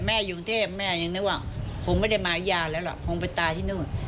แม่ยุงเทพแม่ยังนึกว่าคงไม่ได้มาอียาหรอกคงไปตายที่นู่น